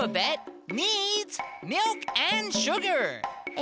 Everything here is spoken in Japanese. え